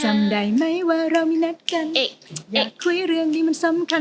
จำได้ไหมว่าเรามีนัดกันอยากคุยเรื่องนี้มันสำคัญ